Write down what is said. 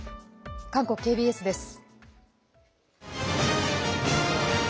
韓国ＫＢＳです。